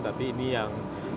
tapi ini yang